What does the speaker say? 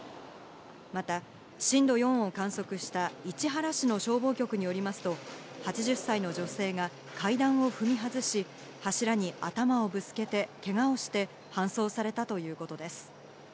また震度４を観測した市原市の消防局によりますと、８０歳の女性が階段を踏み外し、柱に頭をぶつけてけがをして搬送されたということです。